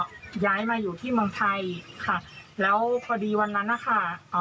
ก็ย้ายมาอยู่ที่เมืองไทยค่ะแล้วพอดีวันนั้นนะคะเอ่อ